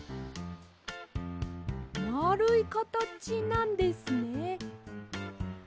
まあるいかたちなんですね。